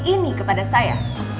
ini kepada saya